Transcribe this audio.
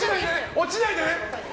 落ちないでね？